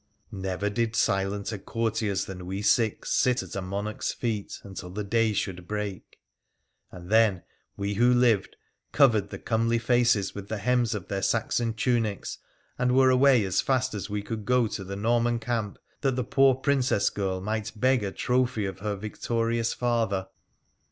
Never did silenter courtiers than we six sit at a monarch's feet until the day should break ; and then we who lived covered the comely faces with the hems of their Saxon tunics, and were away as fast as we could go to the Norman camp, that the poor Princess girl might beg a trophy of her victorious father.